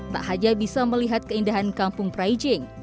tak hanya bisa melihat keindahan kampung praijing